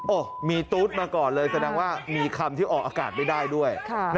โอ้โหมีตู๊ดมาก่อนเลยแสดงว่ามีคำที่ออกอากาศไม่ได้ด้วย